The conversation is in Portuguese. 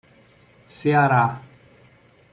Ceará